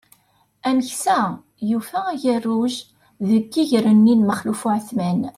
Ameksa yufa agerruj deg iger-nni n Maxluf Uεetman.